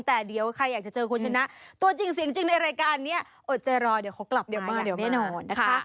แต่เดี๋ยวใครอยากจะเจอคุณชนะตัวจริงเสียงจริงในรายการนี้อดใจรอเดี๋ยวเขากลับมากันแน่นอนนะคะ